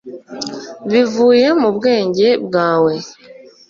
bivuye mu bwenge bwawe